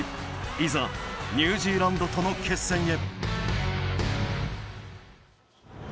いざニュージーランドとの決戦へ。